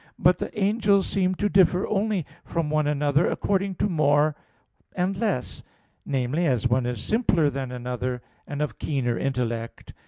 But the angels seem to differ only from one another according to more and less namely, as one is simpler than another, and of keener intellect.